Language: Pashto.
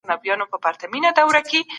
د بیان ازادۍ ته درناوی کیده.